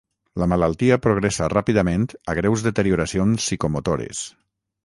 La malaltia progressa ràpidament a greus deterioracions psicomotores.